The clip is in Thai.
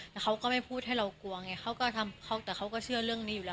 แต่เขาก็ไม่พูดให้เรากลัวแต่เขาก็เชื่อเรื่องนี้อยู่แล้ว